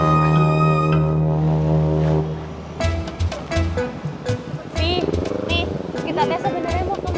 fi nih kita besok beneran mau kemana